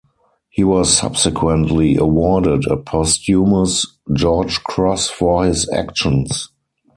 He was subsequently awarded a posthumous George Cross for his actions.